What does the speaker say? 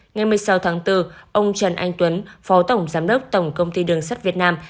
ngày một mươi sáu tháng bốn ông trần anh tuấn phó tổng giám đốc tổng công ty đường sắt việt nam